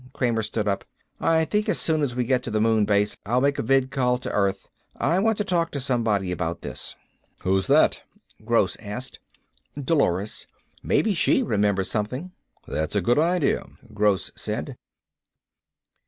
Kramer stood up. "I think as soon as we get to the moon base I'll make a vidcall to earth. I want to talk to somebody about this." "Who's that?" Gross asked. "Dolores. Maybe she remembers something." "That's a good idea," Gross said.